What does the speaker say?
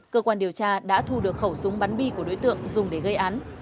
cơ quan điều tra đã thu được khẩu súng bắn bi của đối tượng dùng để gây án